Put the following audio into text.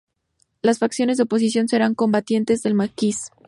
Las facciones de oposición será combatientes del Maquis.